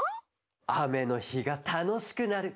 あめのひがたのしくなる